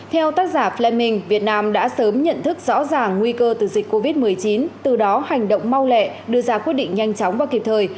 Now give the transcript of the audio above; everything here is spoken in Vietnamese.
theo tác giả minh việt nam đã sớm nhận thức rõ ràng nguy cơ từ dịch covid một mươi chín từ đó hành động mau lẹ đưa ra quyết định nhanh chóng và kịp thời